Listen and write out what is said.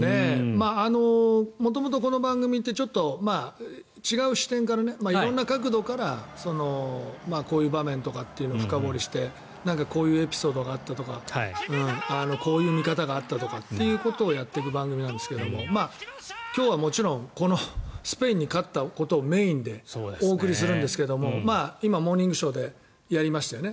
元々、この番組ってちょっと違う視点からね色んな角度からこういう場面とかっていうのを深掘りしてこういうエピソードがあったとかこういう見方があったとかということをやっていく番組なんですが今日はもちろんこのスペインに勝ったことをメインでお送りするんですが今、「モーニングショー」でやりましたよね。